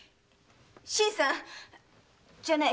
新さんじゃない。